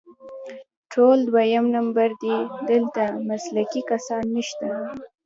ټول دویم نمبر دي، دلته مسلکي کسان نشته